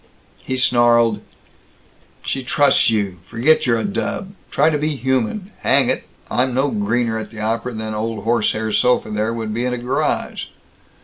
He snarled, "She trusts you. Forget you're a dub. Try to be human. Hang it, I'm no greener at the opera than old horsehair sofa there would be at a garage."